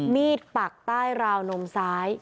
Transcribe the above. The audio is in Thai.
มีดปากได้ราวนมซ้าย